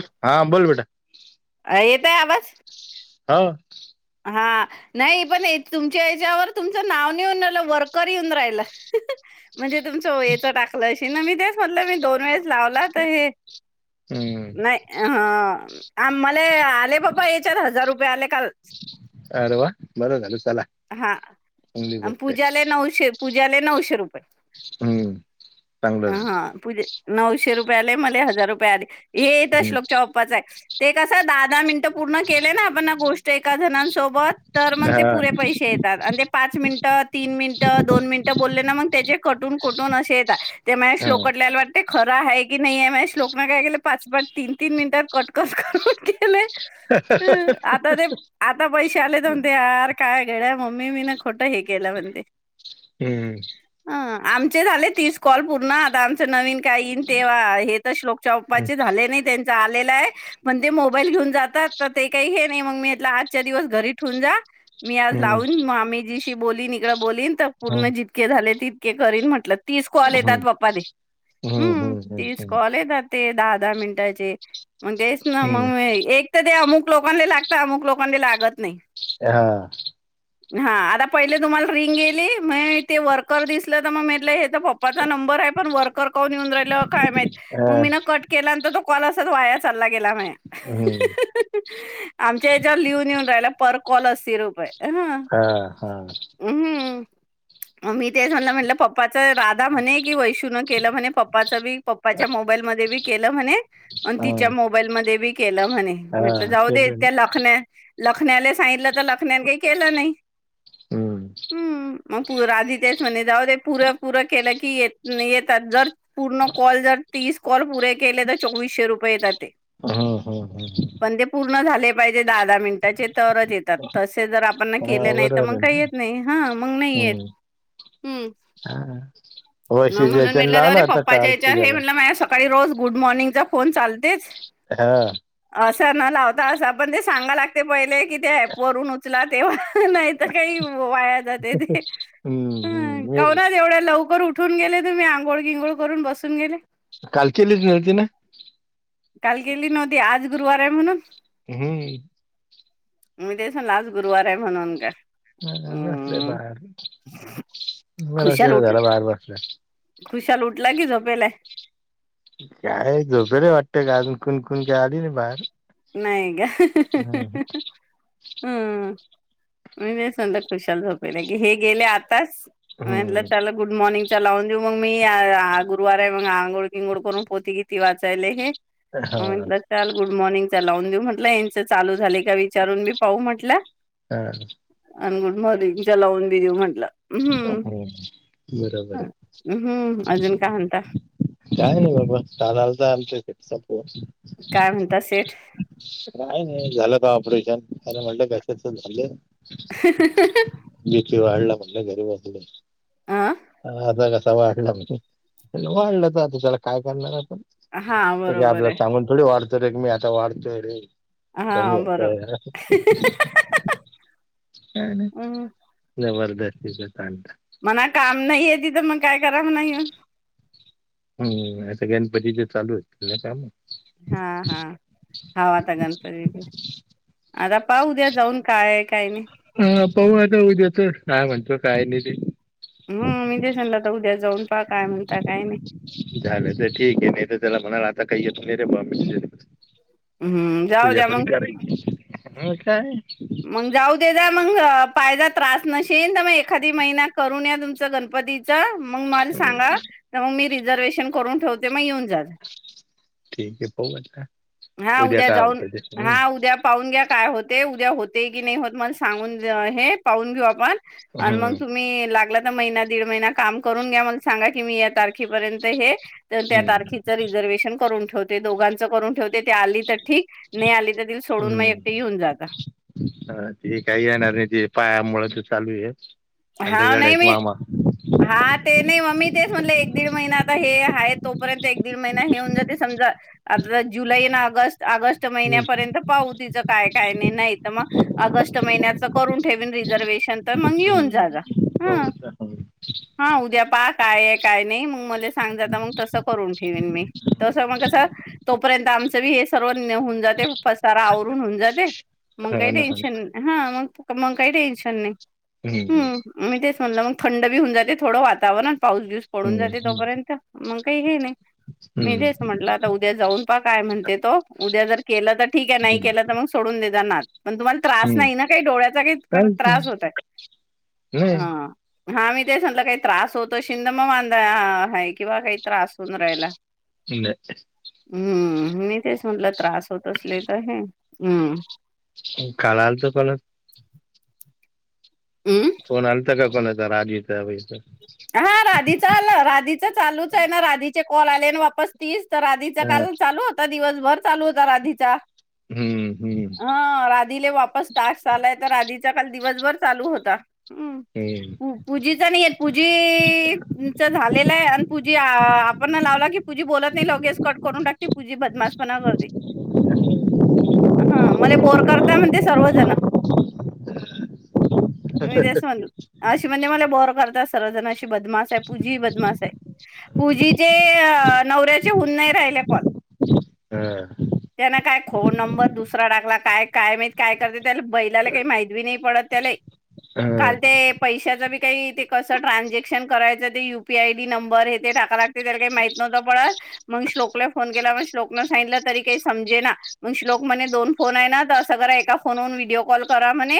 हा बोल बे [unintelligible] अ येतय आवाज? ह. हा नाही पण तुमच्या याच्यावर तुमचं नाव येऊन राहिलं, वर्कर येऊन राहिलं. म्हणजे तुमच ओएचं टाकलंस. ते ना मी ते. म्हटलं मी दोन वेळेस लावला त हे हम्म नाय ह आम्हाले आले बाबा याच्यात हजार रुपये आले काल अरे वा, बरं झालं. चला हा चांगली अन गोष्ट पुजाले नऊशे पुजाले नऊशे रुपये. हम्म चांगल हा झाले. पूजे नऊशे रुपये आले मले हजार रुपये आले. हे ते हम्म. श्लोकच्या पप्पाचाय. कस दहा दहा मिनटं पूर्ण केले ना, आपण गोष्ट एका जणांसोबत, तर मग हा ते पुरे पैसे येतात ते पाच मिनिटं, तीन मिनिटं, दोन मिनिटं बोलले ना मग त्याचे कटून कटून असे येतात. ते माह्या हा हम्म श्लोकटलेला वाटते खरंय हाहे की नाही माझ्या श्लोक ना काय केल, पाच, पाच तीन, तीन मिनिटात कट करून करून केलय ह आता ते आता पैसे आले तर म्हणतो यार काय मम्मी मी ना कुठं ह केला म्हणते ह आमचे झाले तीस कॉल पूर्ण आ आमचं नवीन काही ईन तेव्हा हे तर श्लोकच्या हम्म पप्पाचे झाले नाही त्यां आलेला आहे पण ते मोबाईल घेऊन जातात तर ते काही हे नाही मग मी आजच्या दिवस घरी ठेवून जा मी आज हम्म लावून आम्ही जी बोललीन इकडं बोललीन पूर्ण जितके झाले ती करीन म्हटलं तीस कॉल हम्म येतात बापद हम्म तीस कॉल येतात ते दहा दहा मिनिटाचे मग तेच ना हम्म मग एक तर ते अमुक लोकांले लागत अमुक लोकांनी लागत नाही. हा हा आता पहिले तुम्हाला रिंग गेली मग ते वर्कर दिसलं तर मग म्हटलं हे तर पप्पा नंबर आहे पण वर्कर कोण [unintelligible] काय माहित हा म मिन कट केला व तो कॉल असच वाया चालला गेला म हम्म आमच्या याच्यावर लिहून येऊन राहिला पर कॉल अस सिर हा हा ममी तेच म्हणलं म्हणलं पपा त राधा म्हने कि वैशु न केल म्हने पप्पा च बी पप्पा च्या मोबाईल मध्ये बी केल म्हने अन हा तिच्या मोबाईल मध्ये बी केल म्हणे म्हट हा जाऊ दे केलं ना त्या लखन्या लखन्याले सांगितलं तर न काही केला नाही हम्म हम्म मग पुूर आधी तेच म्हणे जाऊदे पूर पूर केल त जर पूर्ण कॉल जर तीस कॉलेपुरे केले तर चोवीशे रुपये येता ते हम्म हम्म हम्म पण ते पुरे पूर्ण झाले पाहिजे दहा दहा मिनिटाचे तरच येतात तसे जर आपण हा केले नाही तर बरोबर मग आहे ना काही येत नाही हा मग नाही येत हम्म ह्म्म हा वैसे मग म्हणून ज्याच्यानं म्हटलं लावला तररे होता पप्पाच्या काल याचार हे पूजाला म्हटलं मा सकाळी रोज गुड मॉर्निंगचा फोन चालतेच हा असं न लावता असं पण ते सांगा लागते पहिले कि ते वरूनच चला देवा नाही तर काही वाया जाते ते हम्म ह हम्म कावून मी- एवढ्या लवकर उठ कुठून गेले तुम्ही, आंघळ गिंगोळ करून बसून गेले. काल केलीच नव्हती ना? काल गेली नव्हती आज गुरुवार आहे म्हणून. हूं! मी तेच म्हणलं आज गुरुवार आहे म्हणून का? ह बसलंय बाहेर बराच खुशाल वेळ उठ झाला बाहेर बसलाय खुशाल उठला की झोपेल आहे. काय झोपेल वाटत ग अजून, कून, कून काय आली नाही बाहेर. नाही ग. हं! हम्म मी नाही सांडत. सुुशाल झोपेल की, हे गेले आत तास म्हनलं हम्म, त्याला गुड मॉर्निंग. चलावून देऊ मंग. मी आ आ गुरवार आहे म्हणून अंग गोड बिंगोड करून पोती गीती वाचायले हे. हा, म्हटलं चाल गुड मॉर्निंग. लाऊन देऊ म्हटलं, याचं चालू झालं का विचारून मी पाहू म्हटलं. हा, अन गुड मॉर्निंग च लावून देजू म्हंटलं. बरोबर आहे हम्म अजून काय म्हणता काय नही बाबा, काल अलता आमच्या इथे सात काय म्हणता सेठ. काय नाही झालं काम. [unintelligible] [unintelligible] फी वाढला म्हणल घरी बसल. आ! अ असा कसा वाढला, वाढलतर आता त्याला काय करणार. हा कधी बरोबर आपल्याला सांगून थोडी वाढ तर ऐक मी आता वाढतोय रे- आहे कमी हा बरोबर व्हतंय. हां ना जबरदस. [unintelligible] मना काम नाहीये, आहे तिथ मग काय करा म्हणाय? [unintelligible] हां हा हवाता गणपतीत आता पाहुद्या जाऊन काय? आहे काय नाही. अ पाहू आता ऊद्याच काय म्हणतो, काय निधी हम मी तेच म्हटलं त उद्या जाऊन पाह काय म्हणता, काय नाही झालं तर ठीक आहे नाही तर त्याला [unintelligible] हम्म जाऊ तुझ्या द्या कुणी मग करायची? मग जाऊ दे जा मग पाहिला त्रास नशेल त मग एखादी महिना करून या तुमचं गणपतीच मंग माल सांगा हं, त मंग मी री रिझर्वेशन करून ठेवते, मग येऊन जा. ठीक आ हे. पाहू या. हा उद्या जाऊन, हा उद्या पाहून घ्या काय होत? ते उद्या होते, की नाही होत मला सांगून हे पाहून घेऊ आपण. आणि मग हं, तुम्ही लागलात महिना दीड महिना काम करून घ्या मला सांगा की मी या तारखेपर्यंत हे तर त्या हं, तारखेचं रिझर्वेशन करून ठेव ते दोघांचं करून ठेव ती आली तर ठीक नाही आली, तर तिला सोडून मग हं. एकटी घेऊन जाता. हा, ते काही येणार नाही ते पायामुळे ते चालू आहे. आणि ते हा नाही गणेश मी मामा हा ते नाही मम्मी तेच म्हणल एक दीड महिना आता हे आहे तोपर्यंत एक दीड महिना हे होऊन जाते. समजा आता जुलै ना ऑगस्ट ऑगस्ट हं, महिन्यापर्यंत पाहू तिच काय- काय नाही त म ऑगस्ट महिन्याच करून ठेवीन रिझर्वेशन. तर मगं येऊन हं. जागा पाहू ह आता. हं, हा उद्या पाहा काय काय नाही, मग मला सांग हं, मग तस करून ठेवेन मी हं, तस म कस हं. तोपर्यंत आमचं बी हे सर्व होऊन, जाते पसारा आवरून होऊन जाते. मग हो काही ना, हो टेन्शन ना. नाही, हा मग मग काही टेन्शन नाही. हम्म मी तेच ह म्हणलं, मग थंड बी होऊन जाते थोडं वातावरण. पाऊस दिवस पडून हं, जाते, हं, तोपर्यंत मग काही हे नाही मी हं, तेेच म्हटलं, आता उद्या जाऊन पा काय म्हणते तो उद्या जर केला द ठीक आहे नाही, हं, केला तर, मग सोडून देत जाणार. पण तुम्हाला त्रास हं. नाही ना काही डोळ्याचा काही काहीच नाही. त्रास होतय? नाही हा. हा मी तेच म्हटलं काही त्रास होतो शिंद म आणला आहे किंवा काही त्रास होऊन राहिला. [unintelligible] हम्म मी तेच म्हटलं त्रास होत असले तर हे हम्म. कळाच कोण? हम्म. फोन अलत का कोणचा? राज येत [unintelligible] हा राधीचा आला. राधीच चालूच आहे ना राधीचे ओलालेन वापस तीस. तर आधीचा हा काल चालू होता दिवसभर चालू होता राधीचा हम्म हम्म हा राधीले वापस टास् आलाय तर राधीचा काल. दिवसभर चालू होता. हम्म हम्म पूजिचा न येत. पूजी च झालेलय अन् पूजी आपण लावला की पूजी बोलत न्हई लगेच कट करून टाकती पूजी बदमाश पना करते ह मला बोर करता म्हणते सर्वजण. मी तेस म्हण आशीमध्ये मला बोर करतस. सर्वजन अशि बदमासाय पूजी बदमासाय पूजीचे अ नवऱ्याचे हून न्हई राहिले कॉल. हम्. फोन नंबर दुसरा टाकला काय काय माहत काय करते त्या बैलाला काही माहीत बी नाही पडत त्याला हा काल ते पैशात काही कस ट्र्झक्शन करायचं ते युपी आय आयडी नंबर हे ते टाका लागते त्याला काही माहित नवतं पत म श्लोकला फोन केला श्लोक न सांगितलं तरी काही समजेना कसं ट्रांजेक्शन करायचं ते U P I D. Number हे ते टाकाय लागते पळत. म्हणून श्लोक ले फोन केला समजे ना मग श्लोक म्हणे दोन फोन आहे ना तर असं करा एका फोन वून व्हिडिओ कॉल करा म्हणे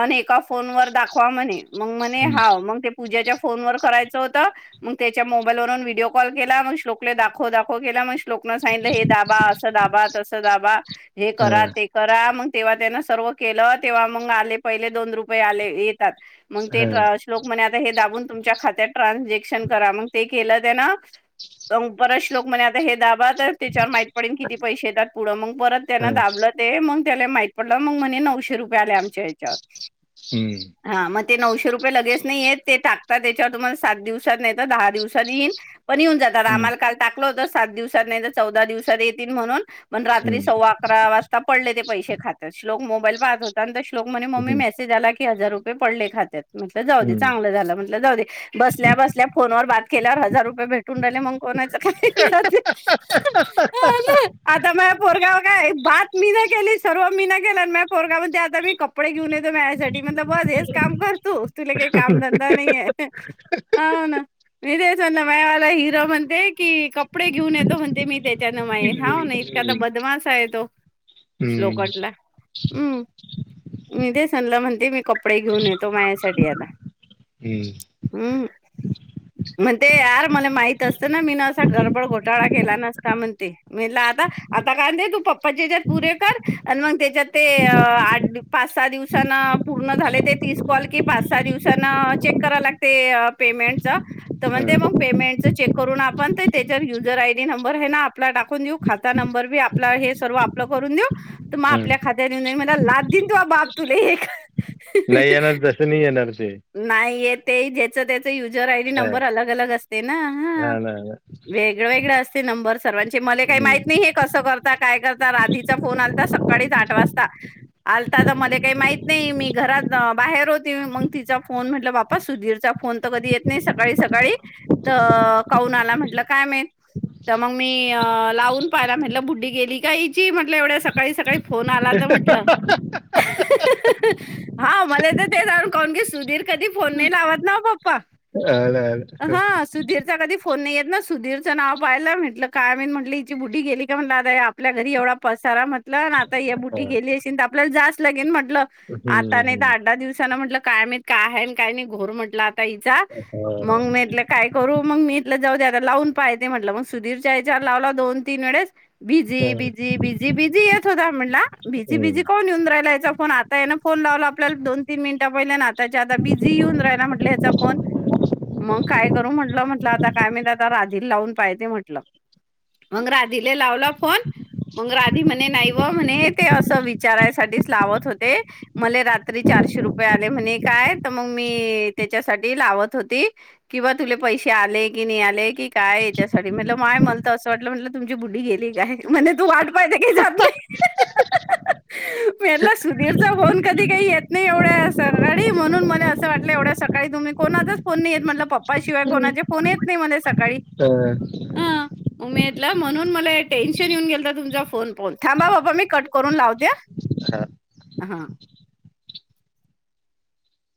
आणि एका फोन वर दाखवा म्हणे मग म्हणे हम्म हा मग पूजाच्या फोन वर करायचं होतं मग त्याच्या मोबाईल वरुन व्हिडिओ कॉल केला मग श्लोकले दाखव दाखव केला मग श्लोकनं सांगितलं हे दाबा असं दाबा तसं दाबा हे हा करा ते करा मग तेव्हा त्यान सर्व केलं तेव्हा मग आले पहिले दोन रुपये आले येतात मग ते हा श्लोक म्हणे हे दाबून तुमच्या खात्यात ट्रानझेक्शन करा मग ते केलं त्यान परच लोक म्हणे आता हे दा तर त्याच्यावर माहित पडेल किती पैसे येतात पुढ मग परत हा त्यांना दाबलं ते मग त्याला माहित पडलं मग म्हणे नऊशे रुपये आले आमच्या हच्यावर हम्म हा मग ते नऊशे रुपये लगेच नई येत. ते टाकता त्याच्यावर तुम्हाला सात दिवसात नाही तर दहा दिवसात येईन पण येऊन जात हम्म आमला काल टाकलं होतं सात दिवसात नाही तर चौदा दिवसात येतील म्हणून पण रात्री हम्म सव्वा अकरा वाजता पडले ते पैसे खातातत श्लोक मोबाईल पाहत होता आणि तर श्लोक म्हणे मम्मी हम्म मेसेज आला की हजार रुपये पडले खात्यात म्हट जाऊ दे. चांगलं झालं म्हट जाऊ दे बसल्या बसल्या फोनवर बात केल्यावर हजार रुपये भेटून राहिले मग कोणाच काय आता म पोरगाववर काय बात मी ना केली सर्व मी ना केलं आणि म पोरगाव म आता मी कपडे घेऊन येतो म्यासाठी म्हण बस हेच काम करतो तुले का? कामधंदा नाहीये हो ना मी तेे सन मायावाला हिरो म्हणते की कपडे घेऊन येतो म्हणते मी त्याच्यानं माये होा ना इतकाता हम्म बदमास येतो हम्म श्लोकटला हम्म मी तेे सनलं म्हणते मी कपडे घेऊन येतो मायासाठी आला. हम्म हम् मण ते यार मला माहित असतं ना मी ना असा गडबड घोटाळा केला नसता म्हण ते म्ह आता आता काय ते तू पप्पाचे त्याच्यात पुरे कर आणि मग त्याच्यात ते आठ पाच सहा दिवसाना पूर्ण झाले ते तीस कॉल कि पाच सहा दिवस चेक कराय लागते पेमेंटच तर म्हणते हम्म मग पेमेंटच चेक करून आपण त्याच्या युजर आयडी नंबर हे ना आपला टाकून देऊ खाता नंबर बी आपला हे सर्व आपलं करून देऊ तर मग हा आपल्या खात्या देऊन देई मला लाद देन त बाप तुला नाही येणार तसं नाही येणार ते नाही य ते जेच तेच युजर आयडी हा नंबर अलग अलग असते ना हा, ना ना वेगळ वेगळ असतय नंबर सर्वांचे मले काही माहित हम्म नाही हे कसं करता काय करता राधीचा फोन आलता सकाळीच आठ वाजता. आ आता मले काही माहित नाही मी घरात बाहेर [unintelligible] मग तिचा. फोन म्हटलं बापा सुधीरचा फोन तर कधी येत नाही सकाळी सकाळी तर काऊन आला म्हटलं काय माहित त म मी लावून पाहिला म्हटलं बुड्डी गेली का ह्याची म्हटलं एवढ्या सकाळी सकाळी. फोन आला तर म्हंटलं, हा मला तर तेच [unintelligible] की सुधीर. कधी फोन नाही लावत ना [unintelligible] हां, सुधीरचा कधी [unintelligible] फोन नाही येत ना सुधीरचं नाव पाहियला म्हटलं काय मी म्हटलं हिची बुढी गेली का म्हटलं आता आपल्या घरी एवढा पसारा म तर आता ह्या हा बुटी गेली आशी त आपल्याला जा लगीन म्हट म्हंटलं आता हम्म आणि हम्म दहा दहा दिवसान म्हटलं. काय माहीत? काय हाय काय नाही? घोर म्हटलं ताईचा, हा मग म्हंटलं काय करू? मग मी जाऊदे आता लावून पायते म्हटलं म सुधीरच्या याच्या वर लावला दोन तीन वेळेस. हा बिजी बिजी बिजी बिजी येत होता म्हणला. बिजी हम्म बिजी कोण येऊन राहिला याचा फो पण आता येन फोन लावला आपल्याला दोन तीन मिनिटं पहिले न आता त्याच्या आता बिझी येऊन राहिला म्हटलं ह्याचा फोन मग काय करू म्हटलं म्हटलं आता काय माहीत आता राधीला लावून पाहिते म्हटलं. मग राधीले लावला फोन मग राधी म्हणे नाही व म्हणे ते अस विचारायसाठीच लावत होते. मले रात्री चारशे रुपये आले म्हणे. काय त म मी त्याच्यासाठी लावत होती किंवा तुले पैसे आले कि नही आले की काय याच्यासाठी म्हटलं माय म्हलत असं वाटलं म्हटलं तुमची बुढी गेली काय? म्हणे तू वाट पाहिते का जात नाही? म्हटलं सुधीरचा फोन कधी काही येत नाही एवढ्या अस सका सकाळी म्हणून मला असं वाटलं. एवढ्या सकाळी तुम्ही कोणाचाच फोन नही येत म्हटलं पप्पा शिवाय कोणाचे फोन येत नही मला सका त अ. उमेदला म्हणून मला टेन्शन येऊन गेलत तुमचा फोन पाहून थांबा बाबा मी कट करून लावते हा ह, हा.